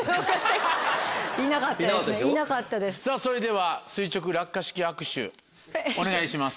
さぁそれでは垂直落下式握手お願いします。